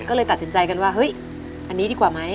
ก็เลยตัดสินใจกันว่าเฮ้ยอันนี้ดีกว่าไหม